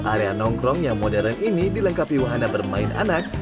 area nongkrong yang modern ini dilengkapi wahana bermain anak